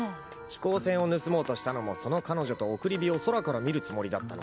飛行船を盗もうとしたのもその彼女と送り火を空から見るつもりだったのだ。